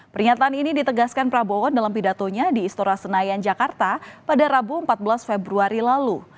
pernyataan ini ditegaskan prabowo dalam pidatonya di istora senayan jakarta pada rabu empat belas februari lalu